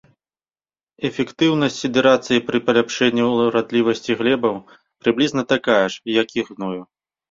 Эфектыўнасць сідэрацыі пры паляпшэнні ўрадлівасці глебаў прыблізна такая ж, як і гною.